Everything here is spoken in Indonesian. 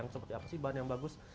seperti apa sih bahan yang bagus